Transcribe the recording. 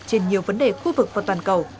trên nhiều vấn đề khu vực và toàn cầu